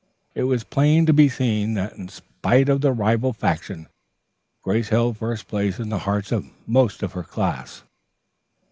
It was plain to be seen that in spite of the rival faction, Grace held first place in the hearts of most of her class.